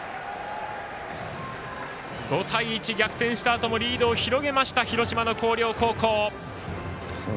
５対１、逆転したあともリードを広げました広島の広陵高校。